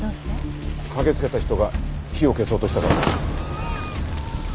駆けつけた人が火を消そうとしたからだ。